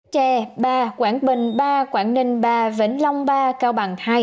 tre ba quảng bình ba quảng ninh ba vĩnh long ba cao bằng hai